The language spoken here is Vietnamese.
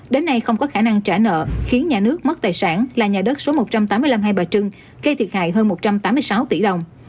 đến nay không có khả năng trả nợ khiến nhà nước mất tài sản là nhà đất số một trăm tám mươi năm hai bà trưng gây thiệt hại hơn một trăm tám mươi sáu tỷ đồng